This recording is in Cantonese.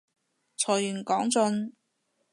財源廣進